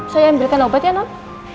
so yang berikan obat ya non